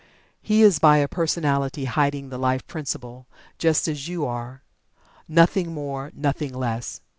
He is by a personality hiding the Life Principle, just as you are. Nothing more nothing less!